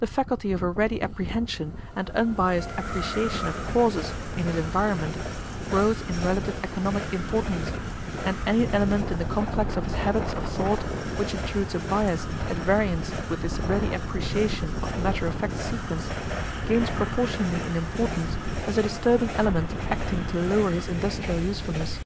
The faculty of a ready apprehension and unbiased appreciation of causes in his environment grows in relative economic importance and any element in the complex of his habits of thought which intrudes a bias at variance with this ready appreciation of matter of fact sequence gains proportionately in importance as a disturbing element acting to lower his industrial usefulness.